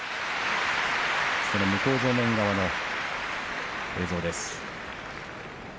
向正面側の映像です。